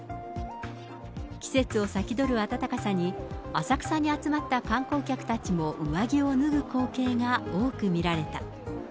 季節を先どる暖かさに、浅草に集まった観光客たちも上着を脱ぐ光景が多く見られた。